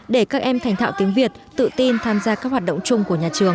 để các em thành thạo tiếng việt tự tin tham gia các hoạt động chung của nhà trường